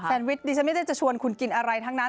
วิชดิฉันไม่ได้จะชวนคุณกินอะไรทั้งนั้น